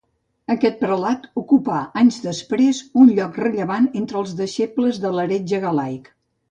Aquest prelat ocupà anys després un lloc rellevant entre els deixebles de l'heretge galaic.